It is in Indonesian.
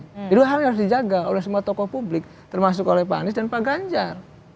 jadi dua hal yang harus dijaga oleh semua tokoh publik termasuk oleh pak anies dan pak ganjar